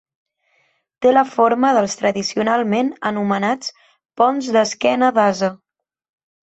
Té la forma dels tradicionalment anomenats ponts d'esquena d'ase.